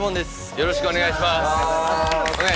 よろしくお願いします。